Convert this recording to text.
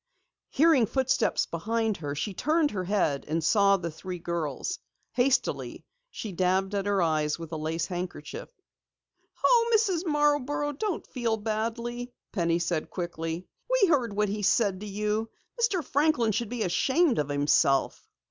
Hearing footsteps behind her, she turned her head and saw the three girls. Hastily, she dabbed at her eyes with a lace handkerchief. "Oh, Mrs. Marborough, don't feel badly," Penny said quickly. "We heard what he said to you. Mr. Franklin should be ashamed of himself."